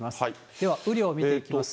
では雨量見ていきますと。